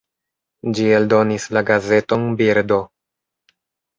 Ĝi eldonis la gazeton "Birdo".